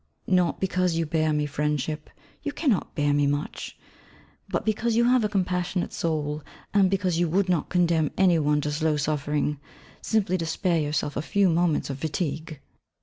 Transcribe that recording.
Not because you bear me friendship (you cannot bear me much!), but because you have a compassionate soul, and because you would not condemn any one to slow suffering, simply to spare yourself a few moments of fatigue!